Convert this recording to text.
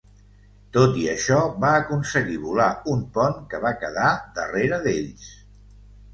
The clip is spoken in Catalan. Tot i això va aconseguir volar un pont que va quedar darrere d'ells.